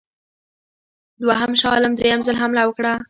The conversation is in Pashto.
دوهم شاه عالم درېم ځل حمله وکړه.